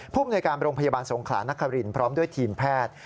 ภูมิในการโรงพยาบาลสงขลานครินพร้อมด้วยทีมแพทย์